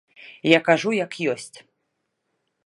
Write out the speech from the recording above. Я кажу як ёсць.